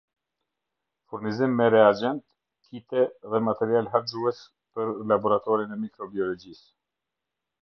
Furnizim me reagjent, kit-e dhe material harxhues për laboratorin e mikrobiologjisë